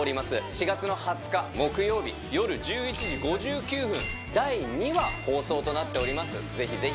４月の２０日木曜日夜１１時５９分、第２話放送となっております。